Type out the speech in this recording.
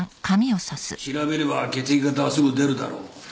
調べれば血液型はすぐ出るだろう。